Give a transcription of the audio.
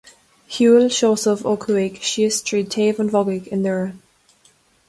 Shiúil Seosamh Ó Cuaig síos tríd Taobh an Bhogaigh i nDoire.